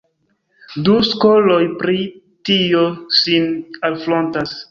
Du skoloj pri tio sin alfrontas.